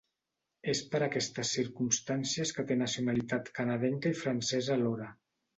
És per aquestes circumstàncies que té nacionalitat canadenca i francesa alhora.